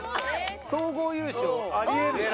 総合優勝あり得るよ。